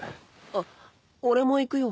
あっ俺も行くよ。